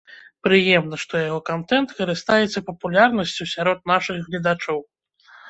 Прыемна, што яго кантэнт карыстаецца папулярнасцю сярод нашых гледачоў.